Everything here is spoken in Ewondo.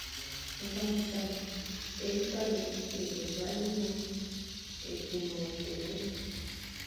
Ngaɲ dzam e vali evǝvali nen, eki mod te woe,